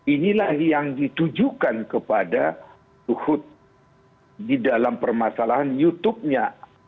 inilah yang ditujukan kepada suhut di dalam permasalahan youtube nya